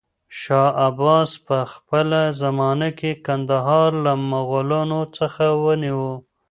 شاه عباس په خپله زمانه کې کندهار له مغلانو څخه ونيو.